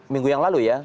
minggu yang lalu ya